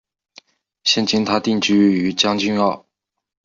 现今她定居于将军澳。